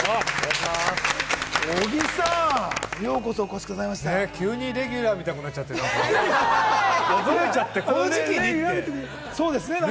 小木さんようこそお越しくだ急にレギュラーみたいになっちゃってさ、この時期に？って。